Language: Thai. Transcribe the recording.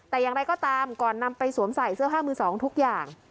แต่อย่างไรก็ตามก่อนนำไปสวมใส่เสื้อผ้ามือสองทุกอย่าง